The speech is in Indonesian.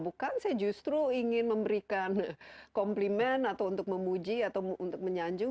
bukan saya justru ingin memberikan komplement atau untuk memuji atau untuk menyanjung